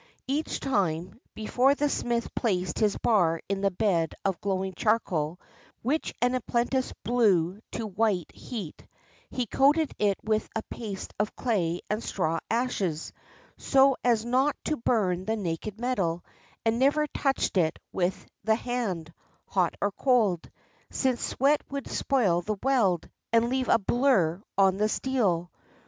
Each time, before the smith placed his bar in the bed of glowing charcoal, which an apprentice blew to white heat, he coated it with a paste of clay and straw ashes, so as not to burn the naked metal; and never touched it with the hand — hot or cold — since sweat would spoil the weld, and leave a blur on the steel.